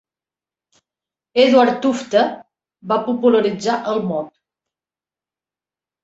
Edward Tufte va popularitzar el mot.